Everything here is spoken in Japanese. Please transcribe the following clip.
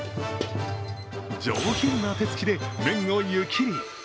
上品な手つきで麺を湯切り。